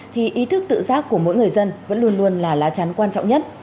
thì ý thức tự giác của mỗi người dân vẫn luôn luôn là lá chắn quan trọng nhất